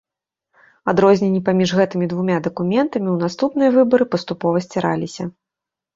Адрозненні паміж гэтымі двума дакументамі ў наступныя выбары паступова сціраліся.